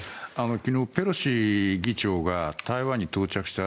昨日、ペロシ議長が台湾に到着した